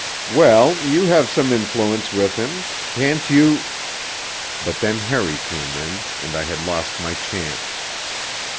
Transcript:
'Well, you have some influence with him. Can't you ' But then Harry came in, and I had lost my chance.